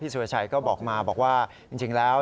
สุรชัยก็บอกมาบอกว่าจริงแล้ว